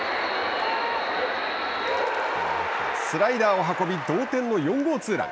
スライダーを運び同点の４号ツーラン。